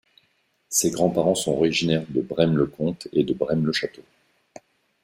Ses grands-parents sont originaires de Braine-le-Comte et de Braine-le-Château.